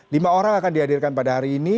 lima orang akan dihadirkan pada hari ini